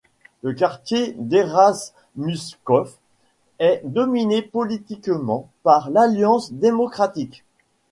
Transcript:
Le quartier d'Erasmuskloof est dominée politiquement par l'Alliance démocratique.